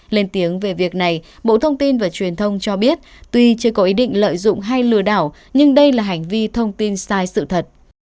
lên tiếng về việc này bộ thông tin và truyền thông cho biết tuy chưa có ý định lợi dụng hay lừa đảo nhưng đây là hành vi thông tin sai sự thật